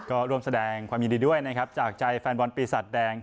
ก็ร่วมแสดงความยินดีด้วยนะครับจากใจแฟนบอลปีศาจแดง